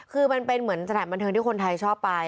คือมันเป็นเหมือนสถานบันเทิงที่คนไทยชอบไป